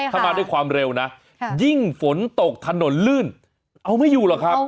ถ้ามาด้วยความเร็วนะยิ่งฝนตกถนนลื่นเอาไม่อยู่หรอกครับ